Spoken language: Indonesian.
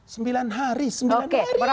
sembilan hari sembilan hari